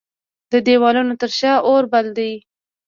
د دیوالونو تر شا اوربل دی